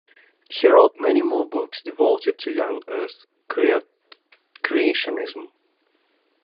He wrote many more books devoted to young-earth creationism.